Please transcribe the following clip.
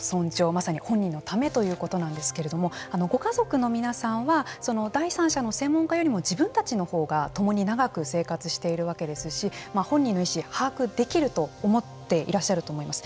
まさに本人のためということなんですけれどもご家族の皆さんは第三者の専門家よりも自分たちのほうが共に長く生活しているわけですし本人の意思を把握できると思っていらっしゃると思います。